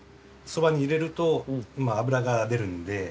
そばに入れると油が出るので。